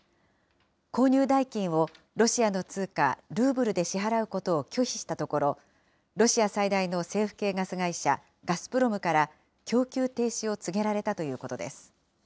購入代金をロシアの通貨、ルーブルで支払うことを拒否したところ、ロシア最大の政府系ガス会社、ガスプロムから供給停止を告げられたということです。